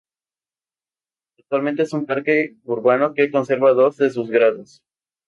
Actualmente es un parque urbano que conserva dos de sus gradas.